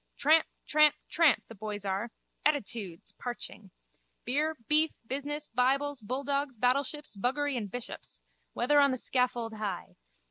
Tramp, tramp, tramp, the boys are (attitudes!) parching. Beer, beef, business, bibles, bulldogs battleships, buggery and bishops. Whether on the scaffold high.